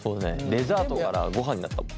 デザートからごはんになった。